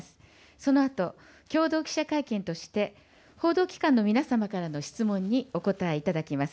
そのあと共同記者会見として、報道機関の皆様からの質問にお答えいただきます。